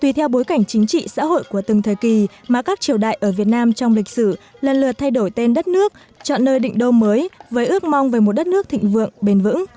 tùy theo bối cảnh chính trị xã hội của từng thời kỳ mà các triều đại ở việt nam trong lịch sử lần lượt thay đổi tên đất nước chọn nơi định đô mới với ước mong về một đất nước thịnh vượng bền vững